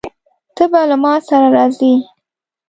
ته به له ما سره راځې؟